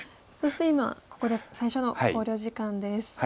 そして今ここで最初の考慮時間です。